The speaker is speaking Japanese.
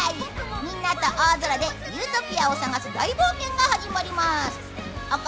みんなと大空でユートピアを探す大冒険が始まります。